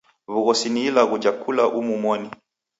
W'ughosi ni ilagho ja kula umu moni.